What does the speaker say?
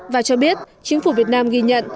và cho biết chính phủ việt nam ghi nhận